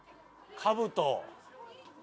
カブト？